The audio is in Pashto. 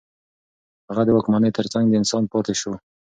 هغه د واکمنۍ ترڅنګ د انسان پاتې شو.